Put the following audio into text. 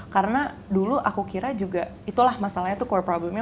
karena dulu aku kira juga itulah masalahnya tuh core problemnya